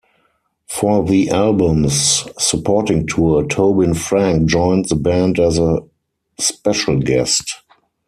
For the album's supporting tour, Tobin Frank joined the band as a "special guest".